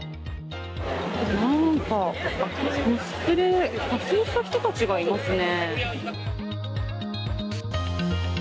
なんか、コスプレ、仮装した人たちがいますね。